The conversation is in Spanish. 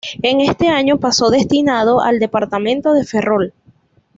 En este año pasó destinado al departamento de Ferrol.